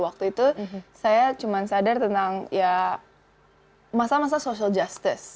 waktu itu saya cuma sadar tentang ya masa masa social justice